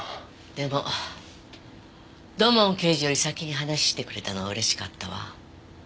でも土門刑事より先に話してくれたのは嬉しかったわ。